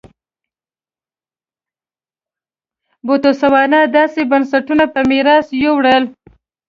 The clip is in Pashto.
بوتسوانا داسې بنسټونه په میراث یووړل.